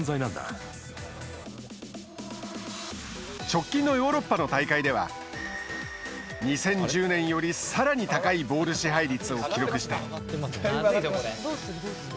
直近のヨーロッパの大会では２０１０年より、さらに高いボール支配率を記録した。